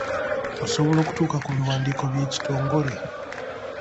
Osobola okutuuka ku biwandiiko by'ekitongole?